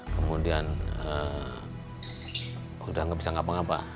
kemudian sudah tidak bisa ngapa ngapa